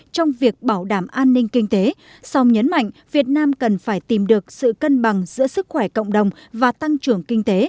trong việc bảo đảm an ninh kinh tế song nhấn mạnh việt nam cần phải tìm được sự cân bằng giữa sức khỏe cộng đồng và tăng trưởng kinh tế